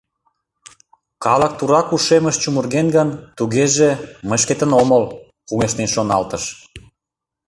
«Калык турак ушемыш чумырген гын, тугеже, мый шкетын омыл, — кугешнен шоналтыш.